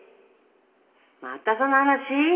またその話？